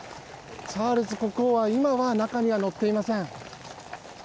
チャールズ国王は今は中には乗っていません。